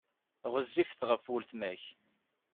Ɣezzifet ɣef weltma-k.